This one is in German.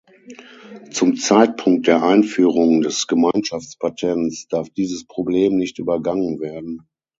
Zum Zeitpunkt der Einführung des Gemeinschaftspatents darf dieses Problem nicht übergangen werden.